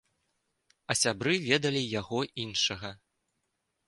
А сябры ведалі яго іншага.